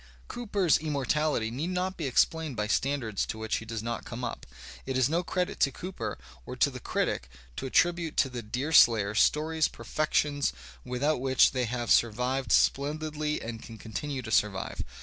Cooper's immortality need not be explained by standards to which he does not come up. It is no credit to Cooper, or to the critic, to attribute to the Deerslayer stories per fections without which they have survived splendidly and can continue to survive.